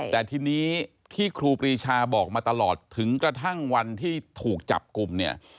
แต่ทีนี้ที่ครูปรีชาบอกมาตลอดถึงกระทั่งวันที่ถูกจับกลุ่มเนี่ย